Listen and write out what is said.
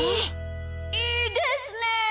いいですね！